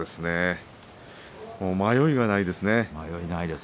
迷いがないですね。